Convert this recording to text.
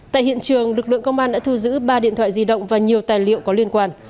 tại hiện trường lực lượng công an đã thu giữ ba điện thoại di động và nhiều tài liệu có liên quan